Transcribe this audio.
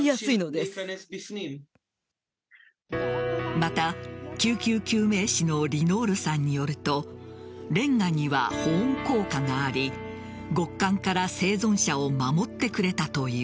また、救急救命士のリノールさんによるとれんがには保温効果があり極寒から生存者を守ってくれたという。